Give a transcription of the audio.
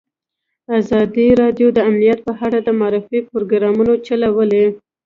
ازادي راډیو د امنیت په اړه د معارفې پروګرامونه چلولي.